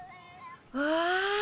うわ。